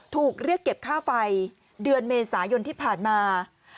ถูกเรียกเก็บค่าไฟเดือนเมษายนที่ผ่านมา